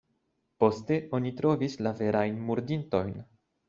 Poste oni trovis la verajn murdintojn.